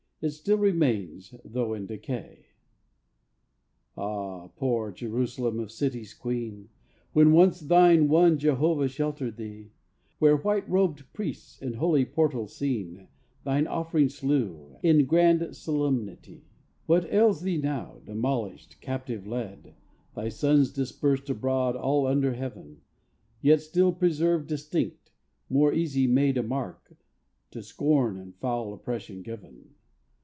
It still remains, though in decay. Ah ! poor Jerusalem, of cities queen, When once thine one Jehovah sheltered thee; Where white robed priests, in holy portals seen, "' Thine offerings slew, in grand solemnity. 56 ITALY. What ails thee now, demolished, captive led, Thy sons dispersed abroad all under heaven 5 Yet still preserved distinct, more easy made A mark, to scorn and foul oppression given.